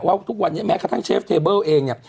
ว่าทุกวันนี้แม้กระทั่งเชฟเทเบิลเองเนี่ย